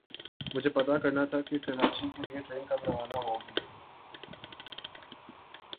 مجھے پتا کرنا تھا کے کراچی کےلیے ٹرین کب روانہ ہو گی۔